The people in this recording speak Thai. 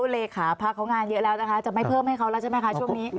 เลขาพักเขางานเยอะแล้วนะคะจะไม่เพิ่มให้เขาแล้วใช่ไหมคะช่วงนี้